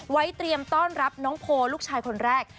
เตรียมต้อนรับน้องโพลูกชายคนแรก